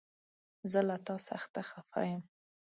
زه له تا سخته خفه يم!